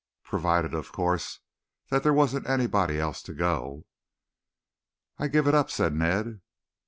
"Provided, of course, that there wasn't anybody else to go." "I give it up," said Ned.